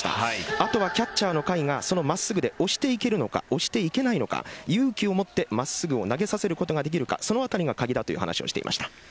あとはキャッチャーの甲斐がその真っすぐで押していけるのか押していけないのか勇気を持って真っすぐを投げさせることができるかその辺りが鍵だという話をしていました。